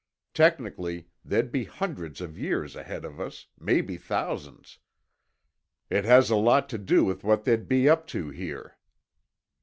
Technically, they'd be hundreds of years ahead of us—maybe thousands. It has a lot to do with what they'd be up to here."